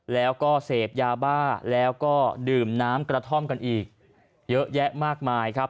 แล้วก็เสพยาบ้าแล้วก็ดื่มน้ำกระท่อมกันอีกเยอะแยะมากมายครับ